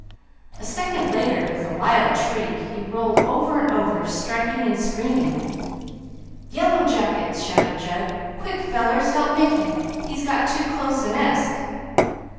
A second later, with a wild shriek, he rolled over and over striking and screaming. "Yellow jackets!" shouted Jud. "Quick fellers, help Mickey! He's got too close to a nest!"